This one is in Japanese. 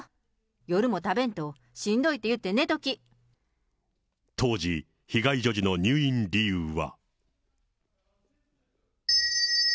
夜も食べんと、当時、被害女児の入院理由は。